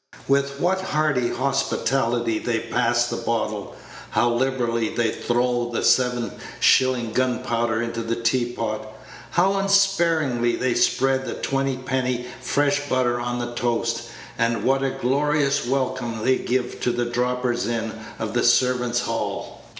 With what hearty hospitality they pass the bottle! how liberally they throw the seven shilling gunpowder into the teapot! how unsparingly they spread the twenty penny fresh butter on the toast! and what a glorious welcome they give to the droppers in of the servants' hall!